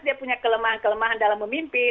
dia punya kelemahan kelemahan dalam memimpin